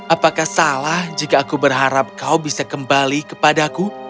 apakah salah jika aku berharap kau bisa kembali kepadaku